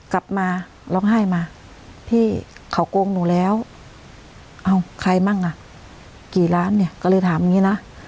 กลับมาร้องไห้มาพี่เขาโกงหนูแล้วเอ้าใครมั่งอ่ะกี่ล้านเนี่ยก็เลยถามอย่างงี้นะ